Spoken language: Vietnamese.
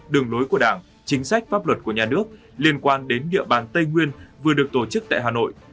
đường lối của đảng chính sách pháp luật của nhà nước liên quan đến địa bàn tây nguyên vừa được tổ chức tại hà nội